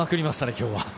今日は。